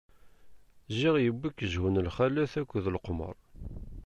Ziɣ yewwi-k zhu n lxalat akked leqmeṛ.